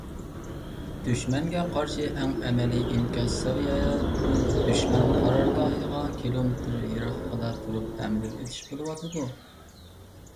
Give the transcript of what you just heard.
دۈشمەنگە قارشى ئەڭ ئەمەلىي ئىنكاس سەۋىيەمىز دۈشمەن قارارگاھىغا كىلومېتىر يىراقلىقىدا تۇرۇپ «پەمىدۇر ئېتىش» بولۇۋاتىدۇ.